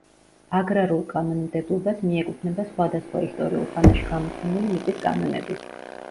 აგრარულ კანონმდებლობას მიეკუთვნება სხვადასხვა ისტორიულ ხანაში გამოცემული მიწის კანონები.